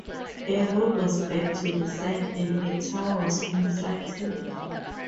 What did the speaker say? A road was built to the site, and a tower was constructed.